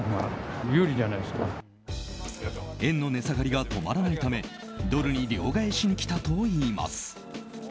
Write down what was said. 円の値下がりが止まらないためドルに両替しに来たといいます。